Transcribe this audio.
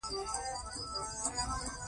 زیګ زیګلر وایي مینه او ساعتېرۍ ماشومان ساتي.